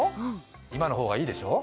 今の方がいいでしょ？